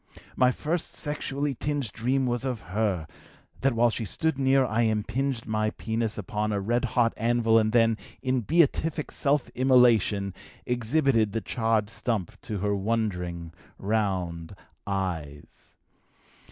My first sexually tinged dream was of her that while she stood near I impinged my penis upon a red hot anvil and then, in beatific self immolation, exhibited the charred stump to her wondering, round eyes.